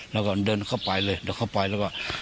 แล้วก็เดินเข้าไปเลยเดี๋ยวเข้าไปแล้วก็